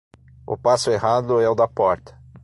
O passo errado é o da porta.